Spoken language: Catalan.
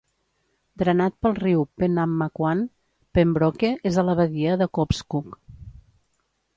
Drenat pel riu Pennamaquan, Pembroke és a la badia de Cobscook.